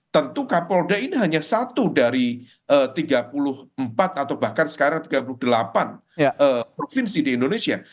tentu kapolda ini hanya satu dari tiga puluh empat atau bahkan sekarang tiga puluh delapan provinsi di indonesia